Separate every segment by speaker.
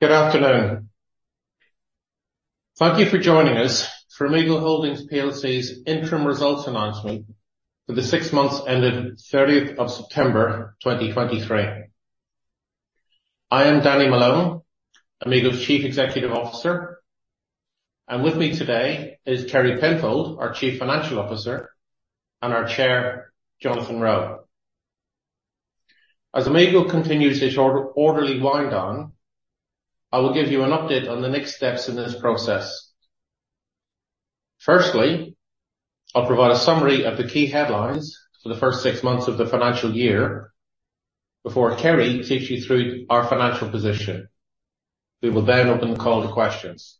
Speaker 1: Good afternoon. Thank you for joining us for Amigo Holdings PLC's interim results announcement for the six months ending thirtieth of September 2023. I am Danny Malone, Amigo's Chief Executive Officer, and with me today is Kerry Penfold, our Chief Financial Officer, and our Chair, Jonathan Roe. As Amigo continues its orderly wind down, I will give you an update on the next steps in this process. Firstly, I'll provide a summary of the key headlines for the first six months of the financial year before Kerry takes you through our financial position. We will then open the call to questions.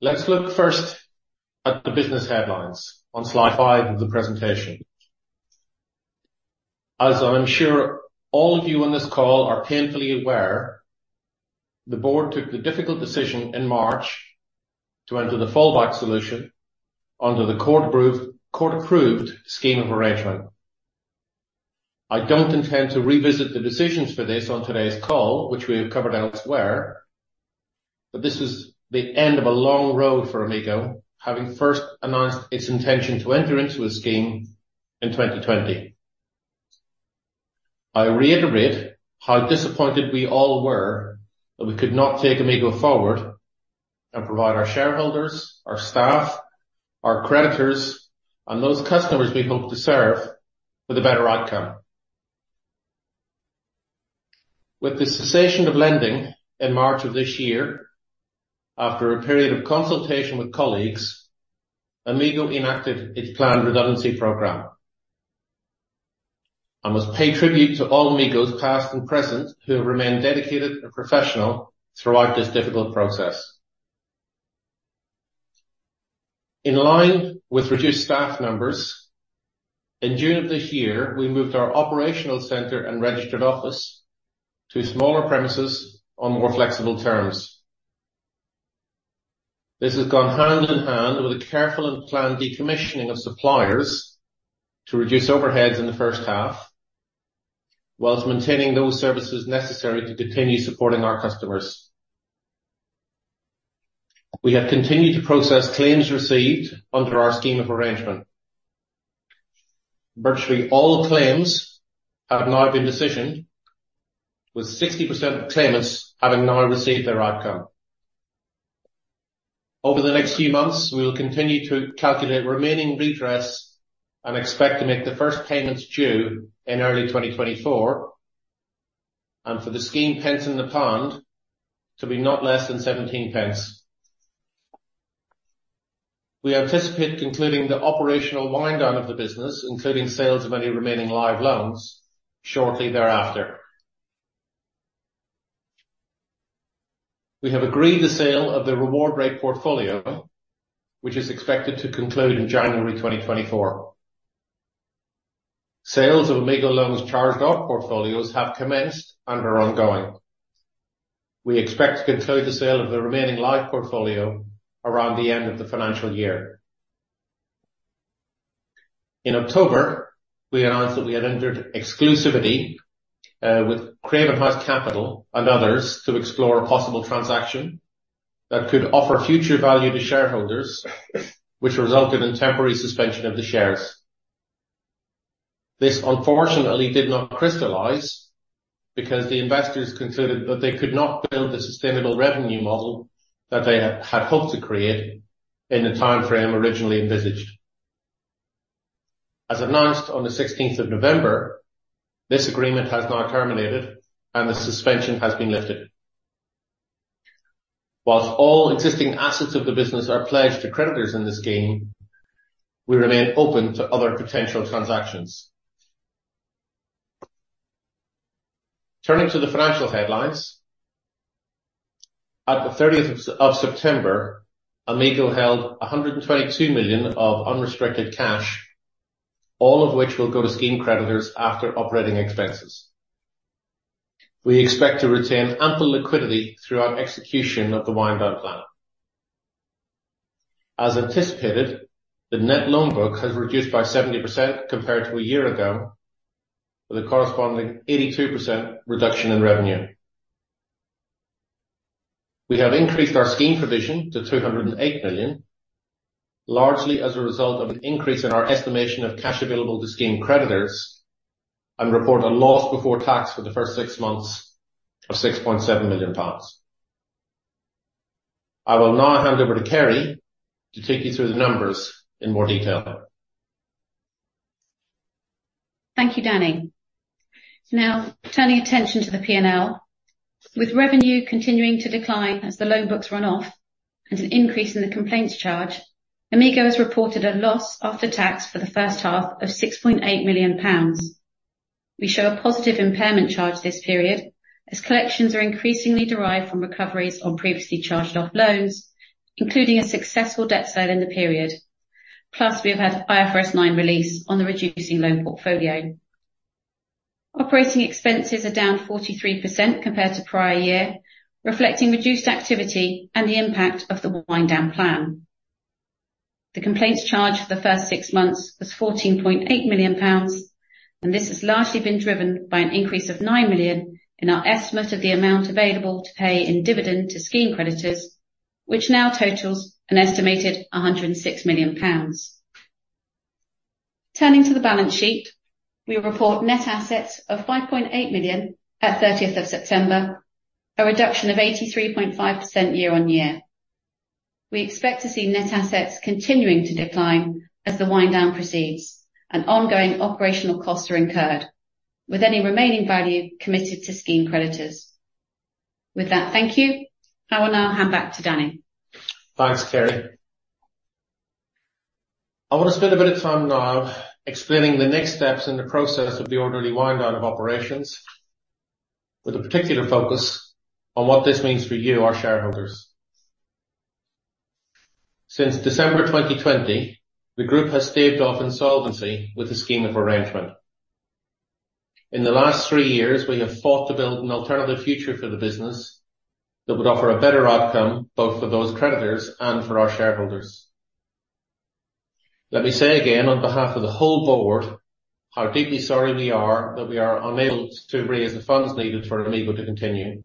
Speaker 1: Let's look first at the business headlines on slide 5 of the presentation. As I'm sure all of you on this call are painfully aware, the board took the difficult decision in March to enter the fallback solution under the court-approved scheme of arrangement. I don't intend to revisit the decisions for this on today's call, which we have covered elsewhere, but this is the end of a long road for Amigo, having first announced its intention to enter into a scheme in 2020. I reiterate how disappointed we all were that we could not take Amigo forward and provide our shareholders, our staff, our creditors, and those customers we hope to serve with a better outcome. With the cessation of lending in March of this year, after a period of consultation with colleagues, Amigo enacted its planned redundancy program. I must pay tribute to all Amigo, past and present, who have remained dedicated and professional throughout this difficult process. In line with reduced staff numbers, in June of this year, we moved our operational center and registered office to smaller premises on more flexible terms. This has gone hand in hand with a careful and planned decommissioning of suppliers to reduce overheads in the first half, while maintaining those services necessary to continue supporting our customers. We have continued to process claims received under our scheme of arrangement. Virtually all claims have now been decisioned, with 60% of claimants having now received their outcome. Over the next few months, we will continue to calculate remaining redress and expect to make the first payments due in early 2024, and for the scheme pence in the pound to be not less than 17 pence. We anticipate concluding the operational wind down of the business, including sales of any remaining live loans, shortly thereafter. We have agreed the sale of the RewardRate portfolio, which is expected to conclude in January 2024. Sales of Amigo Loans charged-off portfolios have commenced and are ongoing. We expect to conclude the sale of the remaining live portfolio around the end of the financial year. In October, we announced that we had entered exclusivity with Craven House Capital and others to explore a possible transaction that could offer future value to shareholders, which resulted in temporary suspension of the shares. This unfortunately did not crystallize because the investors concluded that they could not build the sustainable revenue model that they had hoped to create in the timeframe originally envisaged. As announced on the sixteenth of November, this agreement has now terminated, and the suspension has been lifted. While all existing assets of the business are pledged to creditors in the scheme, we remain open to other potential transactions. Turning to the financial headlines. At the 30th of September, Amigo held 122 million of unrestricted cash, all of which will go to scheme creditors after operating expenses. We expect to retain ample liquidity throughout execution of the wind down plan. As anticipated, the net loan book has reduced by 70% compared to a year ago, with a corresponding 82% reduction in revenue. We have increased our scheme provision to 208 million, largely as a result of an increase in our estimation of cash available to scheme creditors, and report a loss before tax for the first six months of 6.7 million pounds. I will now hand over to Kerry to take you through the numbers in more detail.
Speaker 2: Thank you, Danny. Now, turning attention to the P&L. With revenue continuing to decline as the loan books run off and an increase in the complaints charge, Amigo has reported a loss after tax for the first half of 6.8 million pounds. We show a positive impairment charge this period, as collections are increasingly derived from recoveries on previously charged-off loans, including a successful debt sale in the period. Plus, we have had IFRS 9 release on the reducing loan portfolio. Operating expenses are down 43% compared to prior year, reflecting reduced activity and the impact of the wind down plan. The complaints charge for the first 6 months was 14.8 million pounds, and this has largely been driven by an increase of 9 million in our estimate of the amount available to pay in dividend to scheme creditors, which now totals an estimated 106 million pounds. Turning to the balance sheet, we report net assets of 5.8 million at 30th of September, a reduction of 83.5% year-on-year. We expect to see net assets continuing to decline as the wind down proceeds and ongoing operational costs are incurred, with any remaining value committed to scheme creditors. With that, thank you. I will now hand back to Danny.
Speaker 1: Thanks, Kerry. I want to spend a bit of time now explaining the next steps in the process of the orderly wind down of operations, with a particular focus on what this means for you, our shareholders. Since December 2020, the group has staved off insolvency with the scheme of arrangement. In the last three years, we have fought to build an alternative future for the business that would offer a better outcome, both for those creditors and for our shareholders. Let me say again, on behalf of the whole board, how deeply sorry we are that we are unable to raise the funds needed for Amigo to continue,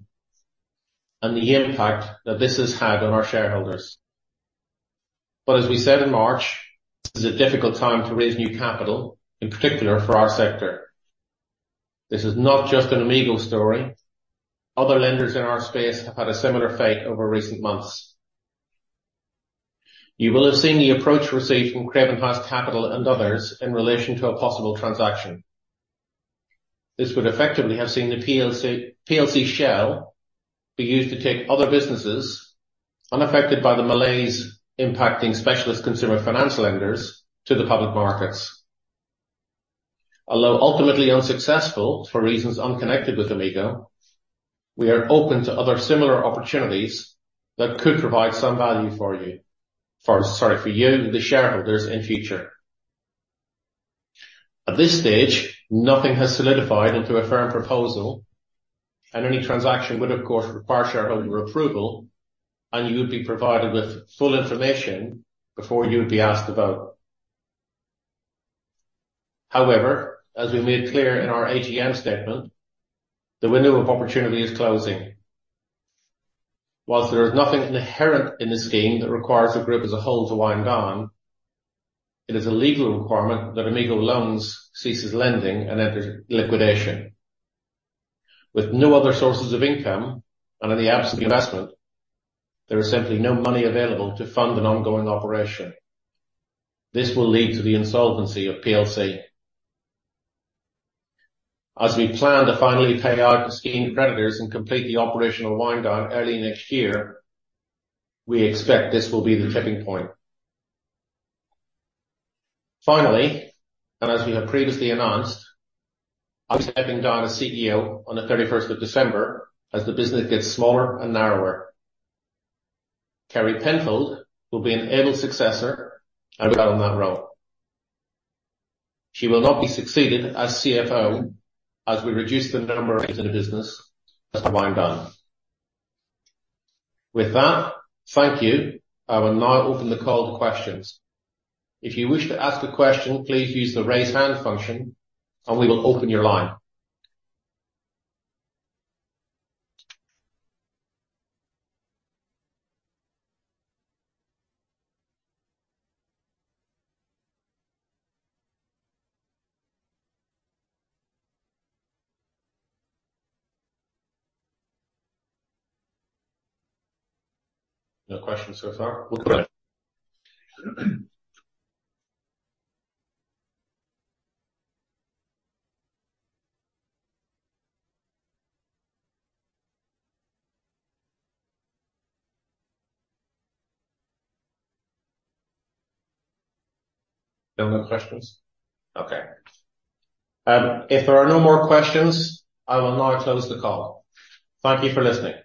Speaker 1: and the impact that this has had on our shareholders. But as we said in March, this is a difficult time to raise new capital, in particular for our sector. This is not just an Amigo story. Other lenders in our space have had a similar fate over recent months. You will have seen the approach received from Craven House Capital and others in relation to a possible transaction. This would effectively have seen the PLC, PLC shell be used to take other businesses unaffected by the malaise, impacting specialist consumer financial lenders to the public markets. Although ultimately unsuccessful for reasons unconnected with Amigo, we are open to other similar opportunities that could provide some value for you. For, sorry, for you, the shareholders, in future. At this stage, nothing has solidified into a firm proposal, and any transaction would of course, require shareholder approval, and you would be provided with full information before you would be asked to vote. However, as we made clear in our AGM statement, the window of opportunity is closing. While there is nothing inherent in the scheme that requires the group as a whole to wind down, it is a legal requirement that Amigo Loans ceases lending and enters liquidation. With no other sources of income and in the absence of investment, there is simply no money available to fund an ongoing operation. This will lead to the insolvency of PLC. As we plan to finally pay out the scheme creditors and complete the operational wind down early next year, we expect this will be the tipping point. Finally, and as we have previously announced, I'm stepping down as CEO on the 31st of December as the business gets smaller and narrower. Kerry Penfold will be an able successor and well in that role. She will not be succeeded as CFO as we reduce the number in the business as the wind down. With that, thank you. I will now open the call to questions. If you wish to ask a question, please use the Raise Hand function, and we will open your line. No questions so far? Okay. No more questions? Okay. If there are no more questions, I will now close the call. Thank you for listening.